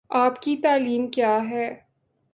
آپ کی تعلیم کیا ہے ؟